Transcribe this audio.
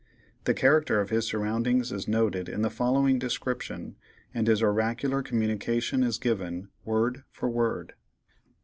The character of his surroundings is noted in the following description, and his oracular communication is given, word for word.